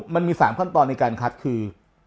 มันมี๓ขั้นตอนในการคัดคือ